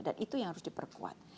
itu yang harus diperkuat